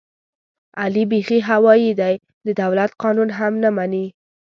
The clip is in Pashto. علي بیخي هوایي دی، د دولت قانون هم نه مني.